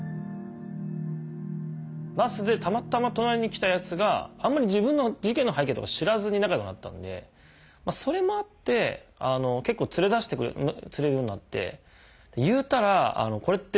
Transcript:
バスでたまたま隣に来たやつがあんまり自分の事件の背景とか知らずに仲良くなったんでそれもあって結構連れ出してくれるようになって。